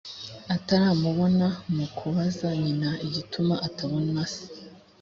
ataramubona mu kubaza nyina igituma atabona se